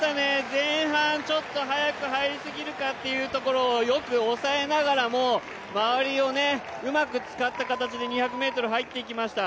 前半、早く入りすぎるところをよく抑えながらも、周りをうまく使った形で２００ｍ入っていきました。